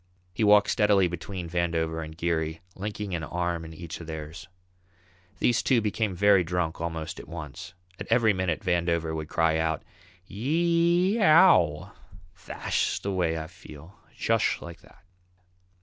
He walked steadily between Vandover and Geary, linking an arm in each of theirs. These two became very drunk almost at once. At every minute Vandover would cry out, "Yee ee ow! Thash way I feel, jush like that."